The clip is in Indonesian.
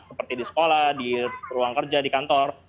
seperti di sekolah di ruang kerja di kantor